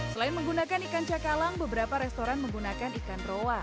selain menggunakan ikan cakalang beberapa restoran menggunakan ikan roa